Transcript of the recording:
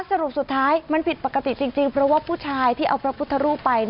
สรุปสุดท้ายมันผิดปกติจริงเพราะว่าผู้ชายที่เอาพระพุทธรูปไป